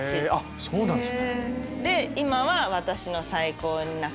そうなんですね。